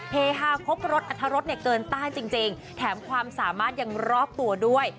เฮฮาครบรถอัธรสเนี่ยเกินต้านจริงแถมความสามารถยังรอบตัวด้วย